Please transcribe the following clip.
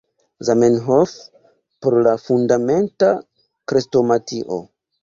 Zamenhof por la Fundamenta Krestomatio.